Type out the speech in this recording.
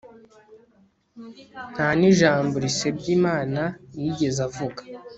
nta n'ijambo risebya imana yigeze avuga